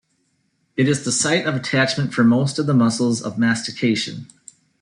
It is the site of attachment for most of the muscles of mastication.